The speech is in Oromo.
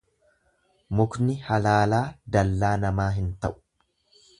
Mukni halaalaa dallaa namaa hin ta'u.